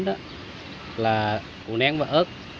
là củ nén và ớt